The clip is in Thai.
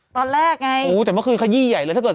ตอนแรกไงโอ้แต่เมื่อคืนขยี้ใหญ่เลยถ้าเกิด